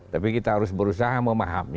tapi kita harus berusaha memahami